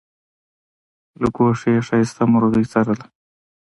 له ګوښې یې ښایسته مرغۍ څارله